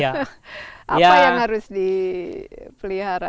apa yang harus dipelihara